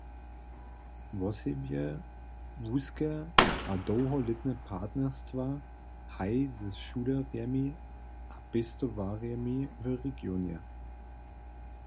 Wosebje wuske a dołholětne partnerstwa haji ze šulemi a pěstowarnjemi w regionje.